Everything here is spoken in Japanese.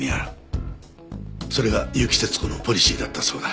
それが結城節子のポリシーだったそうだ。